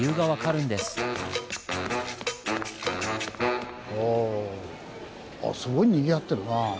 すごいにぎわってるなあ。